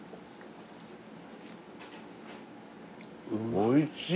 おいしい。